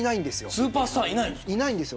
スーパースターいないいないんですよ。